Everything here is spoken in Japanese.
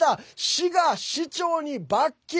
市が市長に罰金。